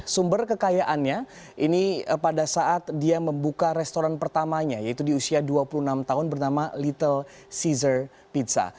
sumber kekayaannya ini pada saat dia membuka restoran pertamanya yaitu di usia dua puluh enam tahun bernama little seasor pizza